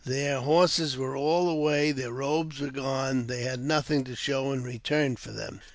Their horses were all away, their robes^ were gone, and they had nothing to show in return for them.